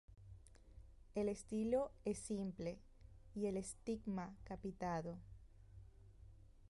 El estilo es simple, y el estigma capitado.